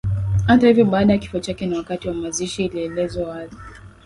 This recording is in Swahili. Hata hivyo baada ya kifo chake na wakati wa mazishi yake ilielezwa wazi